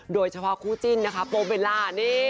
โดยเฉพาะคู่จิ้นโบเวลล่า